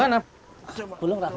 ini sudah tidak layak pakai